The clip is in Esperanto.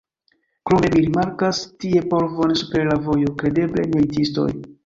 Krome, mi rimarkas tie polvon super la vojo: kredeble, militistoj!